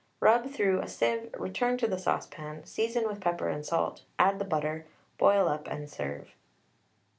Rub through a sieve, return to the saucepan, season with pepper and salt, add the butter, boil up, and serve.